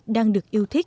đang được yêu thương